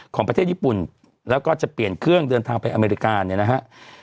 ของประเทศญี่ปุ่นแล้วก็จะเปลี่ยนเครื่องเดินทางไปอเมริกาเนี่ยนะฮะ